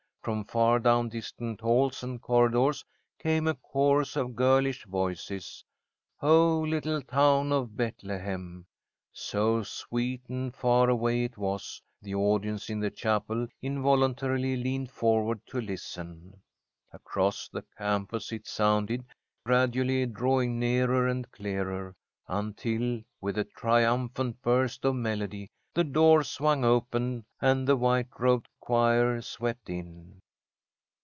From far down distant halls and corridors came a chorus of girlish voices: "Oh, little town of Bethlehem." So sweet and far away it was, the audience in the chapel involuntarily leaned forward to listen. Across the campus it sounded, gradually drawing nearer and clearer, until, with a triumphant burst of melody, the doors swung open and the white robed choir swept in.